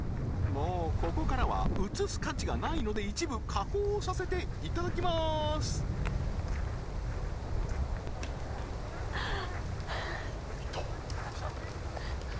もうここからは映す価値がないので一部加工をさせていただきまーすあっはははっ